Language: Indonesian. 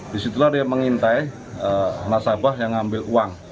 disitulah dia mengintai nasabah yang ngambil uang